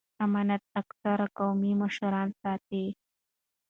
امنیت اکثره قومي مشرانو ساته.